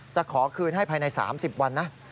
จะขอคืนให้ภายใน๓๐วันนะ